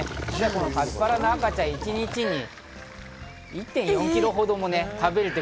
カピバラの赤ちゃん、一日に１．４ｋｇほども食べるという。